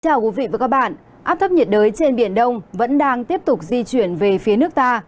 chào quý vị và các bạn áp thấp nhiệt đới trên biển đông vẫn đang tiếp tục di chuyển về phía nước ta